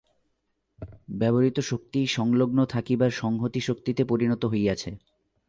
ব্যবহৃত শক্তিই সংলগ্ন থাকিবার সংহতি-শক্তিতে পরিণত হইয়াছে।